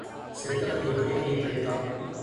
செத்தவன் எப்படி உயிர் பிழைத்தான்?